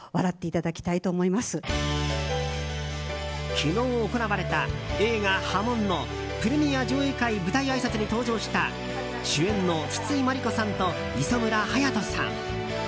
昨日行われた映画「波紋」のプレミア上映会舞台あいさつに登場した主演の筒井真理子さんと磯村勇斗さん。